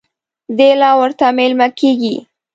دی لا ورته مېلمه کېږي.